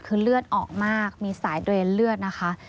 คือเลือดออกมากมีสายเดรนเลือดนะคะ